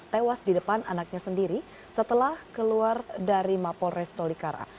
tewas di depan anaknya sendiri setelah keluar dari mapolres tolikara